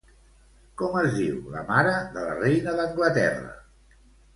Com es diu la mare de la Reina d'Anglaterra?